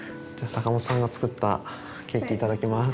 坂本さんが作ったケーキいただきます